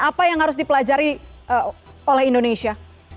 apa yang harus dipelajari oleh indonesia